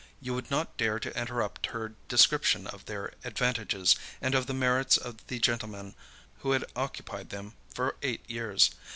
You would not dare to interrupt her description of their advantages and of the merits of the gentleman who had occupied them for eight years.